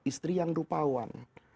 istri yang rupawan